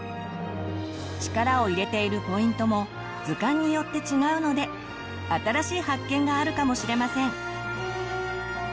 力を入れているポイントも図鑑によって違うので新しい発見があるかもしれません。